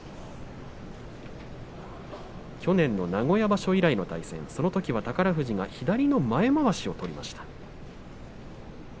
去年の名古屋場所以来の対戦そのときは宝富士が左の前まわしを取りました。